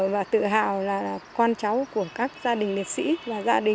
và tự hào là con cháu của các gia đình liệt sĩ